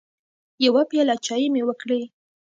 يوه پياله چايي مې وکړې